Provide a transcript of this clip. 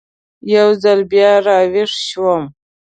یو ځل بیا را ویښ شوم.